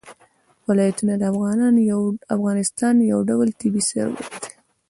ولایتونه د افغانستان یو ډول طبعي ثروت دی.